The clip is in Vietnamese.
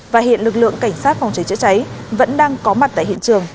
và hiện lực lượng cảnh sát phòng cháy chữa cháy vẫn đang có mặt tại hiện trường